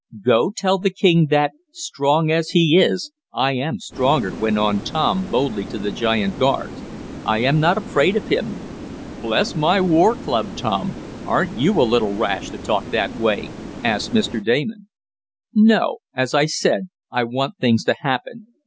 "Go tell the king that, strong as he is, I am stronger," went on Tom boldly to the giant guards. "I am not afraid of him." "Bless my war club, Tom, aren't you a little rash to talk that way?" asked Mr. Damon. "No. As I said, I want things to happen.